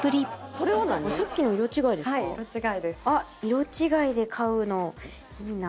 色違いで買うのいいな。